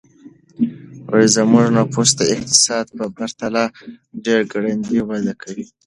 زموږ نفوس د اقتصاد په پرتله ډېر ګړندی وده کوي.